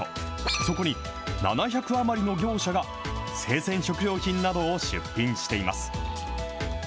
そこに７００余りの業者が生鮮食料品などを出品しています。